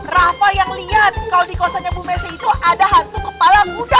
rafa yang lihat kalau di kosannya bu messi itu ada hantu kepala kuda